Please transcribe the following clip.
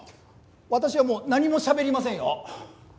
私はもう何もしゃべりませんよ。